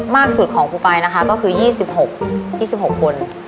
มากสุดของครูปลายนะคะก็คือยี่สิบหกยี่สิบหกคน